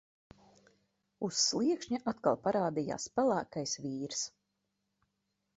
Uz sliekšņa atkal parādījās pelēkais vīrs.